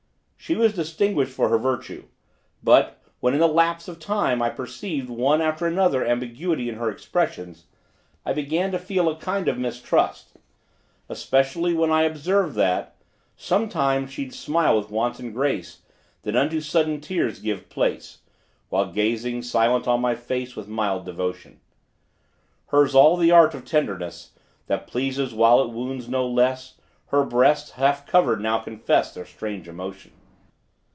She was distinguished for her virtue; but, when in the lapse of time, I perceived one after another ambiguity in her expressions, I began to feel a kind of mistrust, especially when I observed that Sometimes she'd smile with wanton grace, Then unto sudden tears give place, While gazing, silent, on my face With mild devotion. Her's all the art of tenderness, That pleases while it wounds no less: Her breasts, half covered, now confess Their strange emotion.